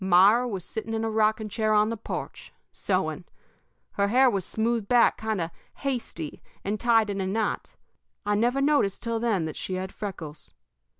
Myra was sitting in a rocking chair on the porch, sewing. Her hair was smoothed back kind of hasty and tied in a knot. I never noticed till then that she had freckles.